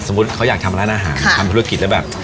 เขาอยากทำร้านอาหารทำธุรกิจแล้วแบบ